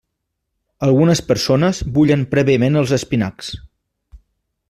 Algunes persones bullen prèviament els espinacs.